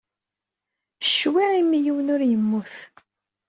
Ccwi imi yiwen ur yemmut.